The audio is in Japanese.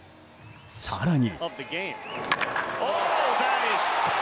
更に。